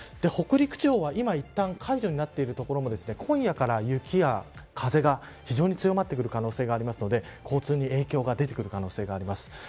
北陸地方は、今いったん解除になっている所も今夜から雪や風が非常に強まってくる可能性があるので交通に影響が出てくる可能性があります。